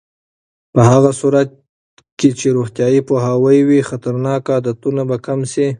په هغه صورت کې چې روغتیایي پوهاوی وي، خطرناک عادتونه به کم شي.